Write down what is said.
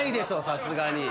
さすがに。